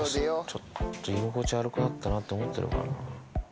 ちょっと居心地悪くなったなって思ってんのかな。